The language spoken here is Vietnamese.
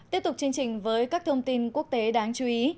tiếp tục chương trình với các thông tin quốc tế đáng chú ý